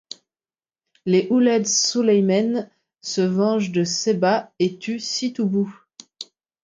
Les Ouled Souleymane se vengent à Sebha et tuent six Toubous.